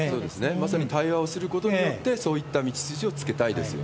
まさに対話をすることによって、そういった道筋をつけたいですよ